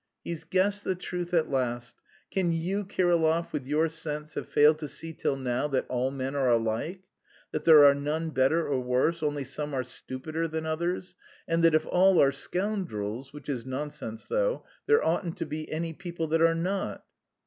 "He's guessed the truth at last! Can you, Kirillov, with your sense, have failed to see till now that all men are alike, that there are none better or worse, only some are stupider, than others, and that if all are scoundrels (which is nonsense, though) there oughtn't to be any people that are not?"